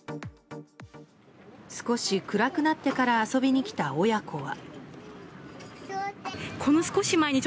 少し暗くなってから遊びに来た親子は。